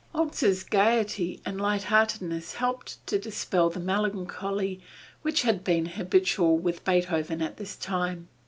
Holz's gayety and light heartedness helped to dispel the melancholy which had become habitual with Beethoven at this time.